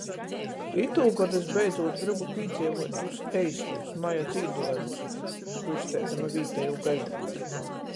"Itūgod es beidzūt grybu pīdzeivuot tūs eistūs maja dzīduojumus!" škūrsteidama vītejū gazetu.